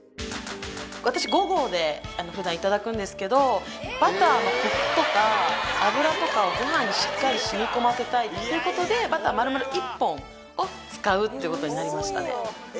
私５合で普段いただくんですけどバターのコクとか油とかをご飯にしっかり染み込ませたいっていうことでバター丸々１本を使うっていうことになりましたね。